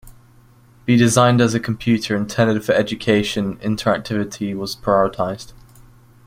Being designed as a computer intended for education, interactivity was prioritized.